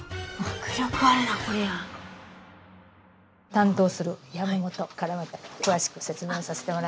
担当する山本から詳しく説明をさせてもらいます。